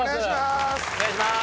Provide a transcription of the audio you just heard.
お願いします。